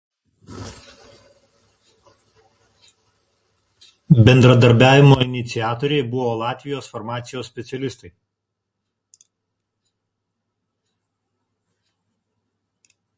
Bendradarbiavimo iniciatoriai buvo Latvijos farmacijos specialistai.